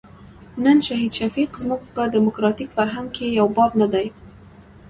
نن شهید شفیق زموږ په ډیموکراتیک فرهنګ کې یو باب نه دی.